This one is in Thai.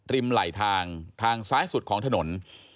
ไหลทางทางซ้ายสุดของถนน